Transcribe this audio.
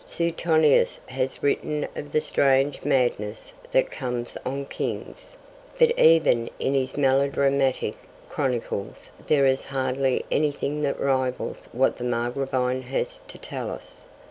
Suetonius has written of the strange madness that comes on kings, but even in his melodramatic chronicles there is hardly anything that rivals what the Margravine has to tell us.